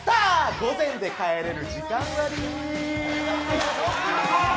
午前で帰れる時間割。